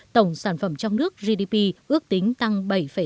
tổng sản phẩm trong nước gdp ước tính tăng bảy tám